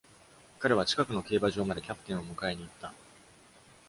彼は近くの競馬場までキャプテンを迎えに行った。